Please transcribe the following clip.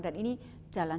dan ini jalan